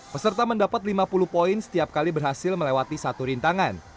peserta mendapat lima puluh poin setiap kali berhasil melewati satu rintangan